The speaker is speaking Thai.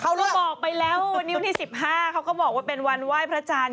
เขาก็บอกไปแล้ววัน๒๕เขาก็บอกว่าเป็นวันไหว้พระจาน